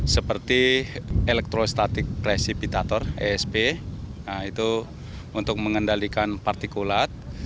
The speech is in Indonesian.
seperti elektrostatik presipitator esp itu untuk mengendalikan partikulat